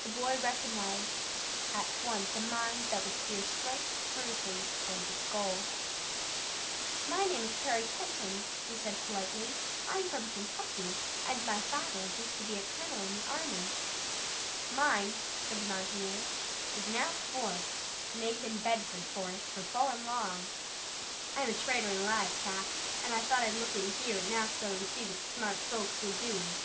The boy recognized at once a mind that would steer straight through things toward its goal. "My name is Harry Kenton," he said politely. "I'm from Kentucky, and my father used to be a colonel in the army." "Mine," said the mountaineer, "is Nat Forrest, Nathan Bedford Forrest for full and long. I'm a trader in live stock, an' I thought I'd look in here at Nashville an' see what the smart folks was doin'.